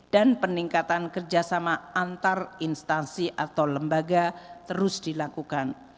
dan peningkatan kerjasama antar instansi atau lembaga terus dilakukan